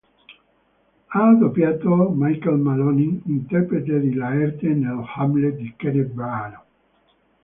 Ha doppiato Michael Maloney interprete di Laerte nell"'Hamlet" di Kenneth Branagh.